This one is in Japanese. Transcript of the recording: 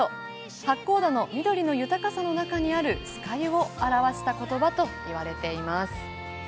八甲田の緑の豊かさの中にある酸ヶ湯を表した言葉といわれています。